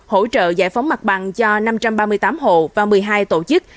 hỗ trợ giải phóng mặt bằng cho năm trăm ba mươi tám hộ và một mươi hai tổ chức